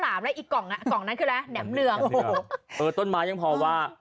แล้วก็นะนะคะนะว่า